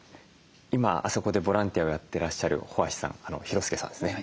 今あそこでボランティアをやってらっしゃる保芦さん宏亮さんですね。